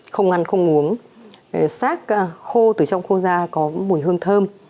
không ăn không uống xác khô từ trong khô ra có mùi hương thơm